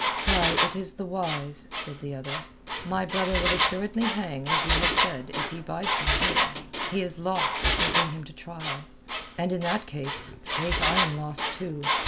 "Why, it is this wise," said the other. "My brother will assuredly hang as you have said if he bides him here. He is lost if they bring him to trial. And in that case, faith, I am lost too.